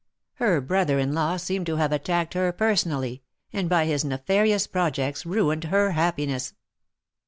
Her brother in law seemed to have attacked her person ally, and by his nefarious projects ruined her happiness.